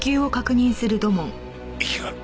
息がある。